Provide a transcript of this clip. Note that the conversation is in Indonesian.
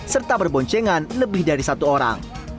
serta berboncengan lebih dari satu orang